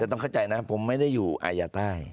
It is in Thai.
ต้องเข้าใจนะผมไม่ได้อยู่อายาใต้